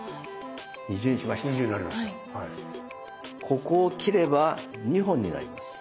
ここを切れば２本になります。